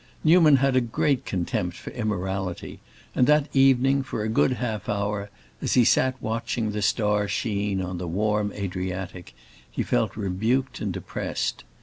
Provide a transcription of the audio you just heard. Newman had a great contempt for immorality, and that evening, for a good half hour, as he sat watching the star sheen on the warm Adriatic, he felt rebuked and depressed.